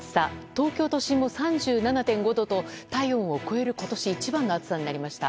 東京都心も３７．５度と体温を超える今年一番の暑さになりました。